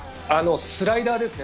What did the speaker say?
スライダーですね。